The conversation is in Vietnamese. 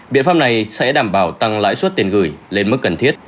biện pháp này sẽ đảm bảo tăng lãi suất tiền gửi lên mức cần thiết